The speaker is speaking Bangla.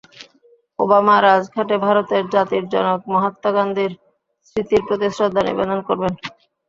ওবামা রাজঘাটে ভারতের জাতির জনক মহাত্মা গান্ধীর স্মৃতির প্রতি শ্রদ্ধা নিবেদন করবেন।